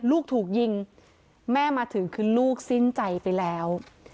ลูกถูกยิงแม่มาถึงคือลูกสิ้นใจไปแล้ว